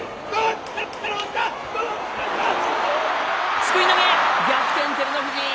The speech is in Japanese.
すくい投げ、逆転、照ノ富士。